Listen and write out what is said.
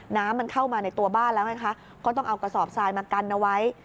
น้ำมันเข้ามาในตัวบ้านแล้วไงคะก็ต้องเอากระสอบทรายมากันเอาไว้